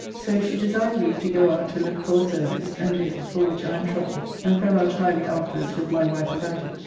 So she desired leave to go out to look [for] a service, and did, for which I am troubled, and fell out highly afterwards with my wife about it.